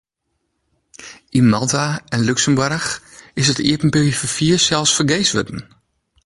Yn Malta en Lúksemboarch is it iepenbier ferfier sels fergees wurden.